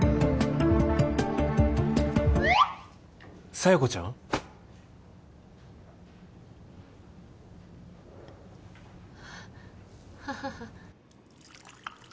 佐弥子ちゃん？ハハハ